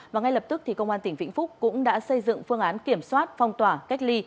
và ngay lập tức công an tỉnh vĩnh phúc cũng đã xây dựng phương án kiểm soát phong tỏa cách ly